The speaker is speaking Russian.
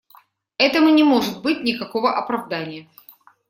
Этому не может быть никакого оправдания.